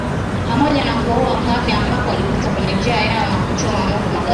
pamoja na kuwaua wakaazi ambapo walipita kwenye njia yao na kuchoma moto magari sita